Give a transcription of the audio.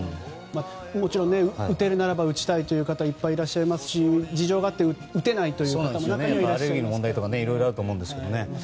もちろん打てるならば打ちたいという方いっぱいいらっしゃいますし事情があって打てない方も中にはいらっしゃると思います。